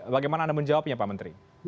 bagaimana anda menjawabnya pak menteri